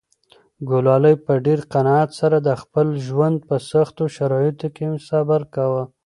ګلالۍ په ډېر قناعت سره د خپل ژوند په سختو شرایطو کې صبر کاوه.